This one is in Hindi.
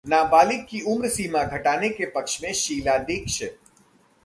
नाबालिग की उम्र सीमा घटाने के पक्ष में शीला दीक्षित